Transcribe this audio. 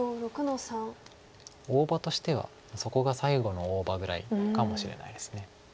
大場としてはそこが最後の大場ぐらいかもしれないです。